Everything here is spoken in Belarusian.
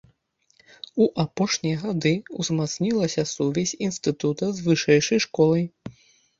У апошнія гады ўзмацнілася сувязь інстытута з вышэйшай школай.